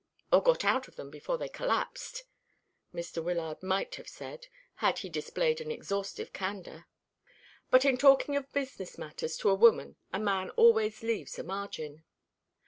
"Or got out of them before they collapsed," Mr. Wyllard might have said, had he displayed an exhaustive candour. But in talking of business matters to a woman a man always leaves a margin.